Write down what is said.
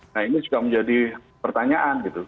nah ini juga menjadi pertanyaan gitu